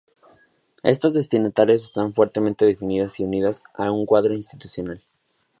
Estos destinatarios están fuertemente definidos y unidos a un cuadro institucional.